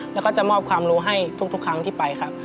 แล้วก็จะมอบความรู้ให้ทุกครั้งที่ไปครับ